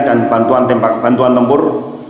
dan bantuan tembak bantuan tempur